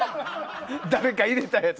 誰か入れたやつ。